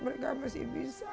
mereka masih bisa